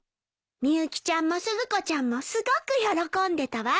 みゆきちゃんもスズコちゃんもすごく喜んでたわ。